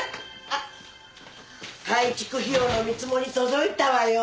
あっ改築費用の見積もり届いたわよ。